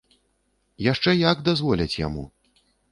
Яшчэ як дазволяць яму.